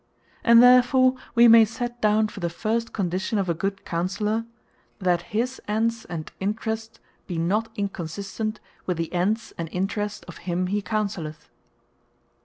And therefore we may set down for the first condition of a good Counsellour, That His Ends, And Interest, Be Not Inconsistent With The Ends And Interest Of Him He Counselleth.